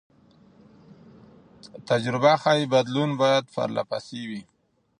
تجربه ښيي بدلون باید پرله پسې وي.